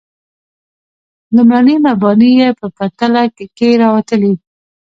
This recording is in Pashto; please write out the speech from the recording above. لومړني مباني یې په تله کې راوتلي.